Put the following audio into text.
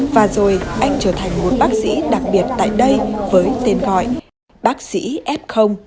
và rồi anh trở thành một bác sĩ đặc biệt tại đây với tên gọi bác sĩ f